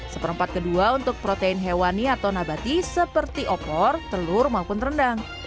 seperempat kedua untuk protein hewani atau nabati seperti opor telur maupun rendang